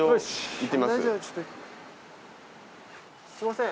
すみません。